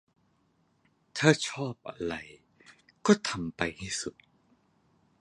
ถ้าชอบอะไรก็ทำไปให้สุด